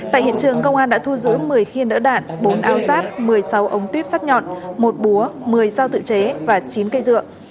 tại hiện trường công an đã thu giữ một mươi khiên đỡ đạn bốn ao sát một mươi sáu ống tuyếp sắt nhọn một búa một mươi dao tự chế và chín cây dựa